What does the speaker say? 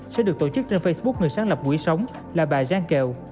sẽ được tổ chức trên facebook người sáng lập quỹ sống là bà giang kèo